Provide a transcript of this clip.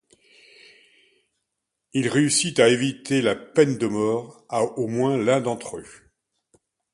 Il réussit à éviter la peine de mort à au moins l'un d'entre eux.